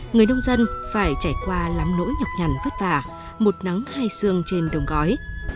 người nông dân phải trải qua lắm nỗi nhọc nhằn vất vả một nắng hai xương trên đồng gói